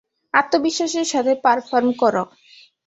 আত্মবিশ্বাসের সাথে পারফর্ম করো!